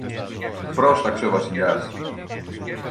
πρόσταξε ο Βασιλιάς.